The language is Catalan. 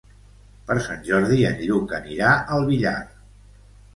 Per Sant Jordi en Lluc anirà al Villar.